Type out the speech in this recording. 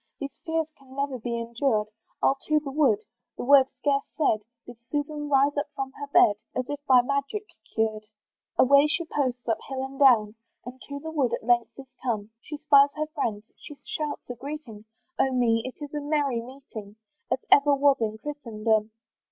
"These fears can never be endured, "I'll to the wood." The word scarce said, Did Susan rise up from her bed, As if by magic cured. Away she posts up hill and down, And to the wood at length is come, She spies her friends, she shouts a greeting; Oh me! it is a merry meeting, As ever was in Christendom.